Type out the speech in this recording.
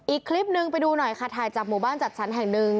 อีกคลิปนึงไปดูหน่อยค่ะถ่ายจากหมู่บ้านจัดสรรแห่งหนึ่ง